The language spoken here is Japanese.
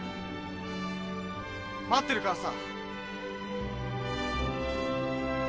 待ってるからさ。